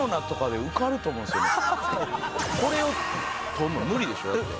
これを取るの無理でしょ？だって。